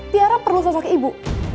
tiara perlu sosok ibu